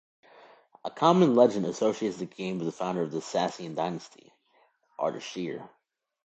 A common legend associates the game with the founder of the Sassanian Dynasty, Ardashir.